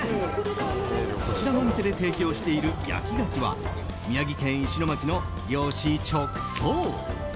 こちらのお店で提供している焼きカキは宮城県石巻の漁師直送。